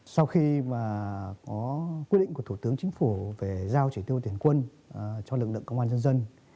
sau khi mà có quyết định của thủ tướng chính phủ về giao chỉ tiêu tuyển quân cho lực lượng công an dân dân